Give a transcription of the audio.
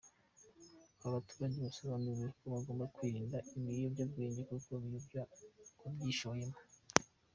Aba baturage basobanuriwe ko bagomba kwirida ibiyobyabwenge kuko biyobya uwabyishoyemo.